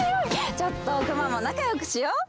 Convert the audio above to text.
ちょっとくまモン、仲よくしよう。